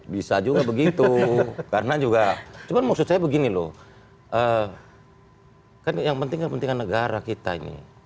bisa juga begitu karena juga cuma maksud saya begini loh kan yang penting kan pentingan negara kita ini